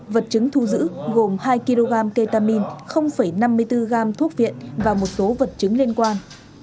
vật chứng thu giữ gồm hai kg ketamine năm mươi bốn gam thuốc viện và một số vật chứng liên quan